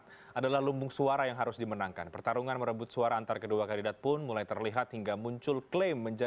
jujuran pemerintahan papua pemenang tener comply dengan laporan cahaya dan iklim kosongkiyan dan perhatian molekolisiera